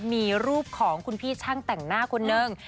มีรูปของคุณพี่ช่างแต่งหน้าคนนึง